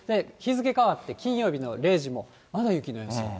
日付変わって金曜日の０時も、まだ雪の予想。